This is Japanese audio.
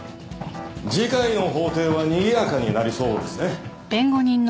次回の法廷はにぎやかになりそうですね。